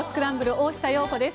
大下容子です。